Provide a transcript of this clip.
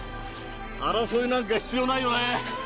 争いなんか必要ないよね。